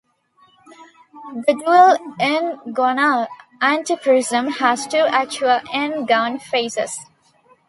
The dual "n"-gonal antiprism has two actual "n"-gon faces.